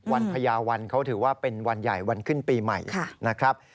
พญาวันเขาถือว่าเป็นวันใหญ่วันขึ้นปีใหม่นะครับ